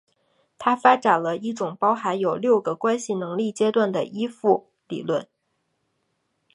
他发展了一种包含有六个关系能力阶段的依附理论。